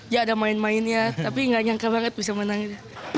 ya ada main mainnya tapi gak nyangka banget bisa main